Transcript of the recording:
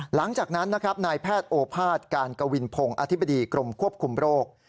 หลังจากนั้นนะครับนายแพทย์โอภาษย์การกวินพงศ์อธิบดีกรมควบคุมโรค